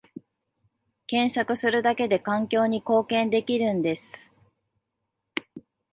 検索するだけで環境に貢献できるんです